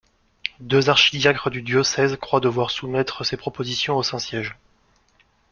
Deux archidiacres du diocèse croient devoir soumettre ces propositions au Saint-Siège.